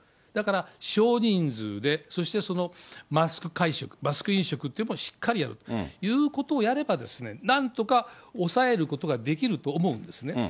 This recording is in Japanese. だから、少人数で、そしてマスク会食、マスク飲食というのはしっかりやるということをやればですね、なんとか抑えることができると思うんですね。